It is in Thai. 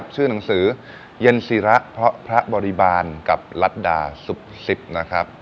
ชื่อหนังสือเย็นศีรพพรบริบาลกับรัฐราห์สุข๗